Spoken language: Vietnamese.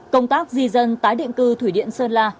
công tác di dân tái định cư thủy điện sơn la